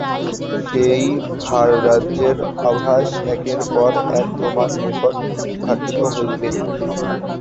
সেই ভাররাজ্যের আভাস একের পর এক তোমার নিকট উদ্ঘাটিত হইবে।